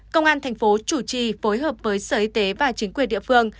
công an thành phố chủ trì phối hợp với sở y tế và chính quyền địa phương